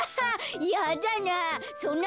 やだな